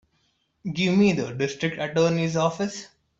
Give me the District Attorney's office.